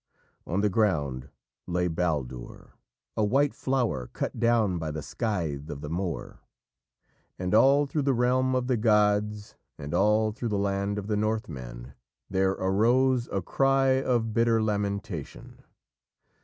_" On the ground lay Baldur, a white flower cut down by the scythe of the mower. And all through the realm of the gods, and all through the land of the Northmen there arose a cry of bitter lamentation.